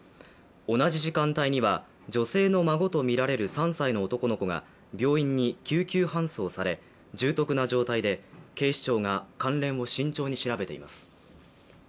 同じ時間帯には、女性の孫とみられる３歳の男の子が病院に救急搬送され、重篤な状態で警視庁が関連を慎重に調べています。